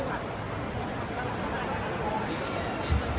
และลำดับสักไปค่ะ